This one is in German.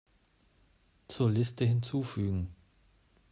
Zur Liste hinzufügen.